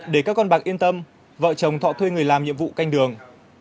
để các con bạc yên tâm vợ chồng thọ thuê người làm nhiệm vụ canh đường